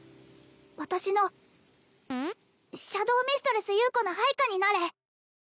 私のシャドウミストレス優子の配下になれ